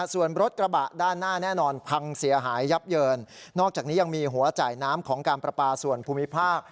ส่วนรถกระบะด้านหน้าแน่นอนพังเสียหายยับเยินนอกจากนี้ยังมีหัวจ่ายน้ำของการประปาส่วนภูมิภาค